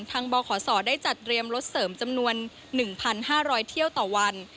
บขศได้จัดเตรียมรถเสริมจำนวน๑๕๐๐เที่ยวต่อวัน